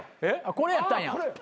これやったんや。